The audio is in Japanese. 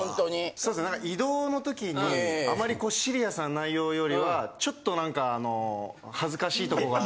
そうです移動のときにあまりシリアスな内容よりはちょっとなんか恥ずかしいとこがある。